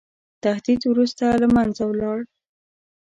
تهدید وروسته له منځه ولاړ.